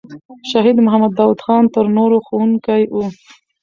شهید محمد داود خان تر نورو ښوونکی وو.